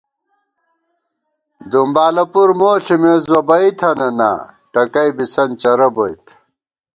دُمبالہ پُر مو ݪِمېس بہ بئ تھنَنا، ٹکَئ بِسنت چرَہ بوئیت